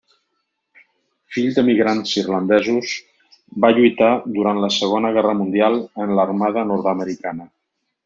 Fill d'emigrants irlandesos, va lluitar durant la Segona Guerra Mundial en l'Armada nord-americana.